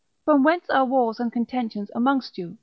From whence are wars and contentions amongst you?